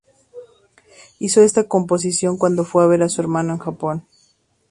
Hizo esta composición cuando fue a ver a su hermano en Japón.